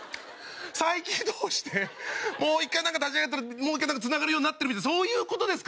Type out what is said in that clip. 再起動してもう１回立ち上げたらもう１回なんかつながるようになってるみたいなそういう事ですか？